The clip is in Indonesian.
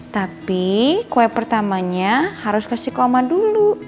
tapi kue pertamanya harus kasih ke oma dulu